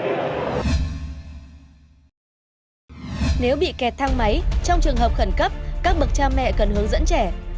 nếu bị kẹt thang máy trong trường hợp khẩn cấp các bậc cha mẹ cần hướng dẫn trẻ